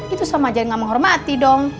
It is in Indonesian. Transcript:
itu sama jadi gak menghormati dong